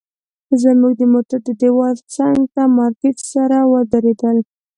زموږ موټر د دیوال څنګ ته مارکیټ سره ودرېدل.